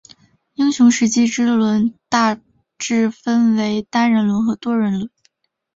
英雄时机之轮大致分为单人轮和多人轮。